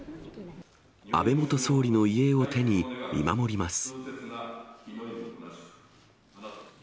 安倍元総理の遺影を手に、見守ります。